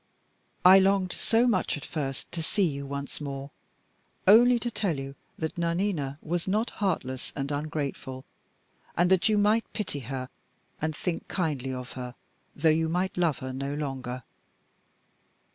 I longed so much at first to see you once more, only to tell you that Nanina was not heartless and ungrateful, and that you might pity her and think kindly of her, though you might love her no longer.